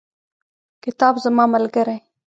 کتاب زما ملګری.